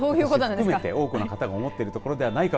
私含めて多くの方が思っていることなのではないか。